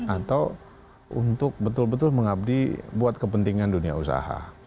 atau untuk betul betul mengabdi buat kepentingan dunia usaha